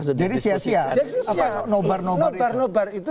jadi sia sia nobar nobar itu